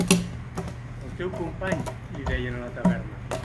El teu company! –li deien a la taverna.